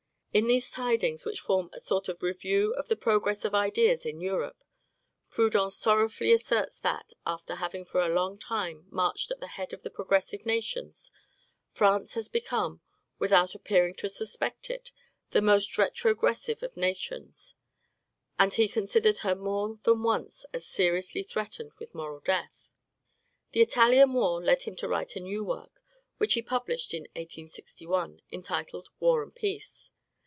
In these tidings, which form a sort of review of the progress of ideas in Europe, Proudhon sorrowfully asserts that, after having for a long time marched at the head of the progressive nations, France has become, without appearing to suspect it, the most retrogressive of nations; and he considers her more than once as seriously threatened with moral death. The Italian war led him to write a new work, which he published in 1861, entitled "War and Peace."